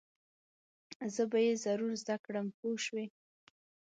زه به یې ضرور زده کړم پوه شوې!.